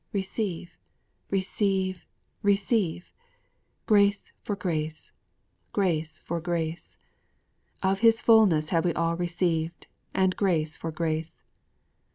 _ Receive! Receive! Receive! Grace for grace! Grace for grace! '_Of His fullness have all we received, and grace for grace!